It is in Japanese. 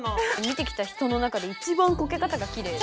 見てきた人の中で一番こけ方がきれい。